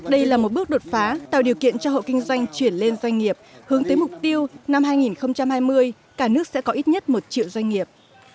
đây là một bước đột phá tạo điều kiện cho hộ kinh doanh chuyển lên doanh nghiệp hướng tới mục tiêu năm hai nghìn hai mươi cả nước sẽ có ít nhất một triệu doanh nghiệp